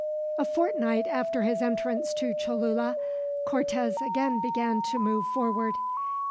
A fortnight after his entrance to Cholula, Cortez again began to move forward.